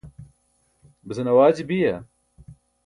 besan awaaji biya?